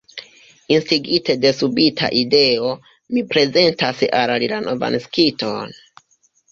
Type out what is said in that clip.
Instigite de subita ideo, mi prezentas al li la novnaskiton.